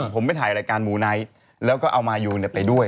ผมไม่ถ่ายรายการแล้วก็เอามายูเนี่ยไปด้วย